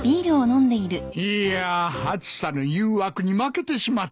いや暑さの誘惑に負けてしまって。